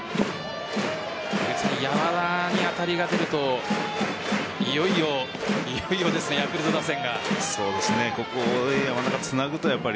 山田に当たりが出るといよいよですね、ヤクルト打線が。